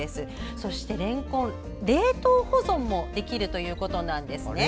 そして、れんこん冷凍保存もできるということです。